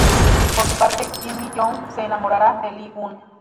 Por su parte, Kim Mi-young se enamorará de Lee Gun.